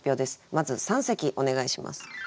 まず三席お願いします。